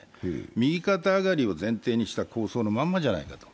右肩上がりを前提にした構想のままじゃないかと。